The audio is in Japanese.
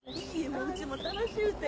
もううちも楽しゅうて。